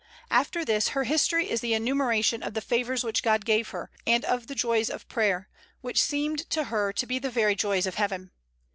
After this, her history is the enumeration of the favors which God gave her, and of the joys of prayer, which seemed to her to be the very joys of heaven.